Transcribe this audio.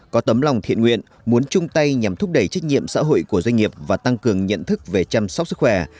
có tấm lòng thiện nguyện muốn chung tay nhằm thúc đẩy trách nhiệm xã hội của doanh nghiệp và tăng cường nhận thức về chăm sóc sức khỏe